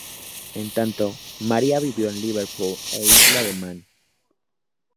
En tanto, Maria vivió en Liverpool e Isla de Man.